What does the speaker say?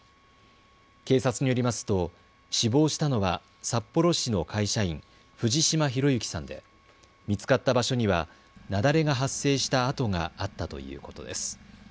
警察によりますと死亡したのは札幌市の会社員、藤島裕之さんで見つかった場所には雪崩が発生した跡があったということです。